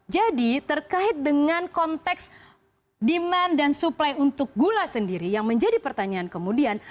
jadi terkait dengan konteks demand dan supply untuk gula sendiri yang menjadi pertanyaan kemudian